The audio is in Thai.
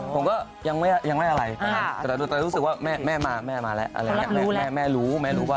ผมก็ยังไม่อะไรแม่รู้ไหมแม่ก็บอกว่าแม่มาแล้วแม่รู้ว่า